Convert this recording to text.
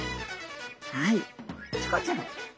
はいチコちゃん。